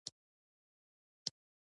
موږ د جمعې ماښام یوځای کېږو.